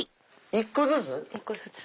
１個ずつ。